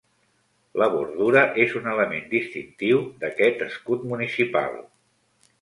La bordura és un element distintiu d'aquest escut municipal.